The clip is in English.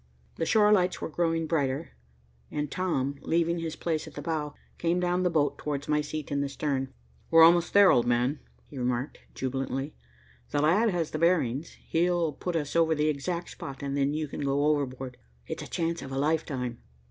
The shore lights were growing brighter, and Tom, leaving his place at the bow, came down the boat towards my seat in the stern. "We're almost there, old man," he remarked jubilantly. "The lad has the bearings. He'll put us over the exact spot, and then you can go overboard. It's a chance of a lifetime."